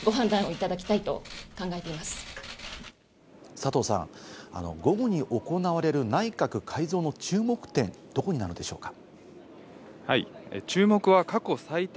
佐藤さん、午後に行われる内閣改造の注目点、どこになるのでしょうか？